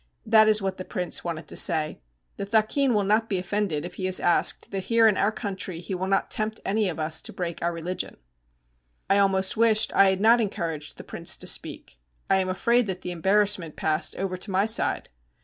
That is what the prince wanted to say. The thakin will not be offended if he is asked that here in our country he will not tempt any of us to break our religion.' I almost wished I had not encouraged the prince to speak. I am afraid that the embarrassment passed over to my side.